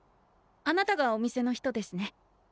あなたがお店の人ですね。